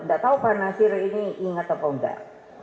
gak tahu pak nasir ini inget atau enggak